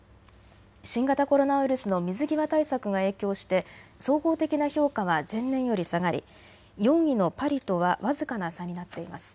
新型コロナウイルスの水際対策が影響して総合的な評価は前年より下がり、４位のパリとは僅かな差になっています。